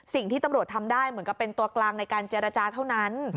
สิ่งที่ตำรวจทำได้เหมือนกับเป็นตัวกลางในการเจรจาเท่านั้น